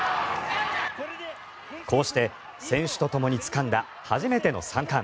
こうして選手とともにつかんだ初めての３冠。